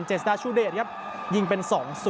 สดาชูเดชครับยิงเป็น๒๐